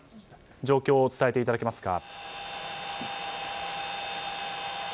状況を伝えていただけますか。